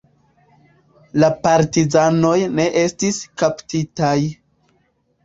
La partizanoj ne estis kaptitaj.